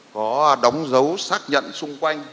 có đóng dấu xác nhận xung quanh